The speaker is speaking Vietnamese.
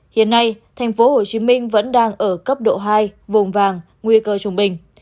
hiện nay tp hcm vẫn đang ở cấp độ hai vùng vàng nguy cơ trung bình